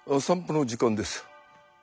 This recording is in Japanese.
散歩の時間です。